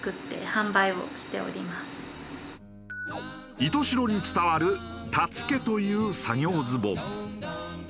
石徹白に伝わるたつけという作業ズボン。